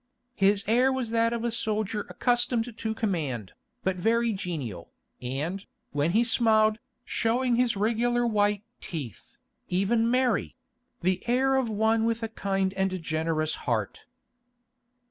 His air was that of a soldier accustomed to command, but very genial, and, when he smiled, showing his regular white teeth, even merry—the air of one with a kind and generous heart.